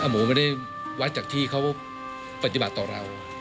หมูไม่ได้วัดจากที่เขาปฏิบัติต่อเรา